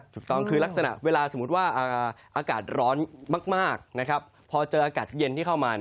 ถูกต้องคือลักษณะเวลาสมมุติว่าอากาศร้อนมากพอเจออากาศเย็นที่เข้ามา